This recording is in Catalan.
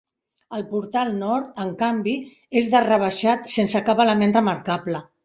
El portal nord, en canvi, és d'arc rebaixat sense cap element remarcable.